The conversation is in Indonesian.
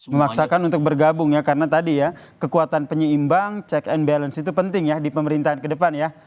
memaksakan untuk bergabung ya karena tadi ya kekuatan penyeimbang check and balance itu penting ya di pemerintahan ke depan ya